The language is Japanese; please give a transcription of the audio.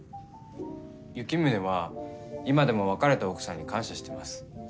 ユキムネは今でも別れた奥さんに感謝してます。